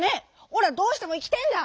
おらどうしてもいきてえんだ。